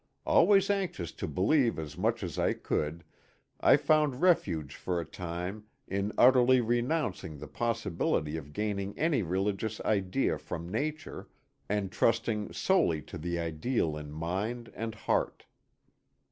Always anxious to *^ believe*' as much as I could, I found refuge for a time in utterly renouncing the possibility of gaining any religious idea from nature, and trusting solely to the ideal in mind and heart.